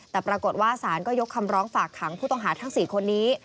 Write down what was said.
แต่ปรากฏว่าศาลก็ยกคำร้องฝากขังผู้ต้องหาทั้ง๔คนนี้